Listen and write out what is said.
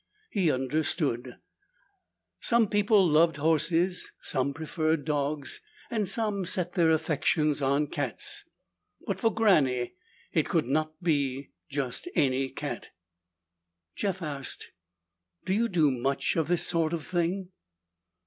He understood. Some people loved horses, some preferred dogs, and some set their affections on cats. But for Granny it could not be just any cat. Jeff asked, "Do you do much of this sort of thing?"